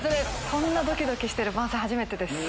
こんなドキドキしてる番宣初めてです。